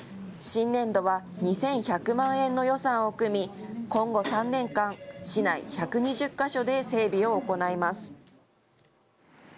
新年度は２１００万円の予算を組み、今後３年間、市内１２０か所で整備を行います。